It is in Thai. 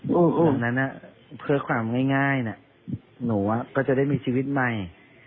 อุ้มนั้นเพื่อความง่ายนะหนูก็จะได้มีชีวิตใหม่